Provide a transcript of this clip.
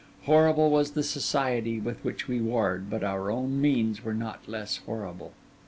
Horrible was the society with which we warred, but our own means were not less horrible.